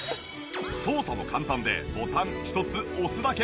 操作も簡単でボタン１つ押すだけ。